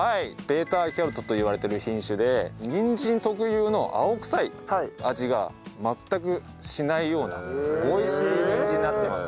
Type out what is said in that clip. ベーターキャロットといわれている品種でにんじん特有の青くさい味が全くしないような美味しいにんじんになってます。